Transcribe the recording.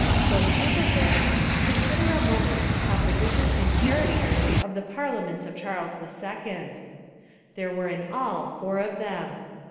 For proof of this, con sider a moment the composition and character of the parliaments of Charles II. There were in all four of them.